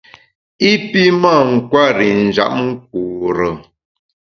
I pi mâ nkwer i njap nkure.